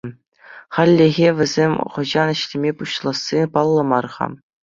Хальлӗхе вӗсем хӑҫан ӗҫлеме пуҫласси паллӑ мар-ха.